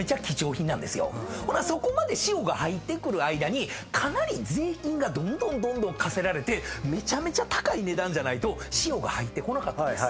そこまで塩が入ってくる間に税金がどんどん課せられてめちゃめちゃ高い値段じゃないと塩が入ってこなかったんです。